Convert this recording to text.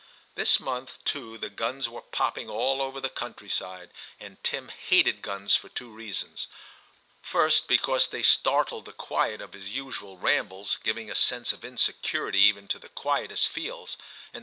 This month, too, the guns were popping all over the country side, and Tim hated guns for two reasons — first, because they startled the quiet of his usual rambles, giving a sense of insecurity even to the quietest fields ; and i6 TIM CHAP.